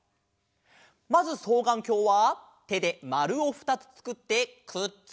まずそうがんきょうはてでまるをふたつつくってくっつけます。